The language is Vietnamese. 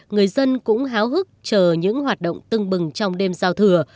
người dân cũng háo hức chờ những hoạt động tưng bừng trong đêm giao thừa